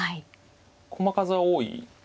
駒数が多い。